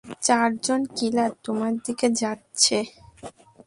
চারজন কিলার তোমার দিকে যাচ্ছে।